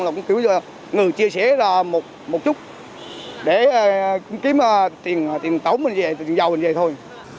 cứ ngừng chia sẻ một chút để kiếm tiền tổng về tiền giàu về thôi